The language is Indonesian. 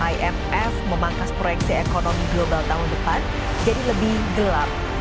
imf memangkas proyeksi ekonomi global tahun depan jadi lebih gelap